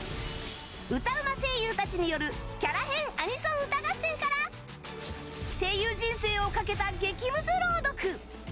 歌うま声優たちによるキャラ変アニソン大合戦から声優人生をかけた激ムズ朗読。